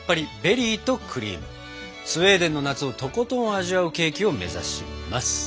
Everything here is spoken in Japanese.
スウェーデンの夏をとことん味わうケーキを目指します！